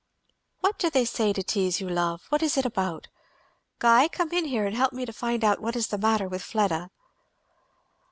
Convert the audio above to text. "What do they say to tease you, love? what is it about? Guy, come in here and help me to find out what is the matter with Fleda."